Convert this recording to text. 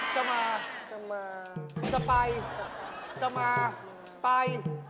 จะมาจะไปจะมาไป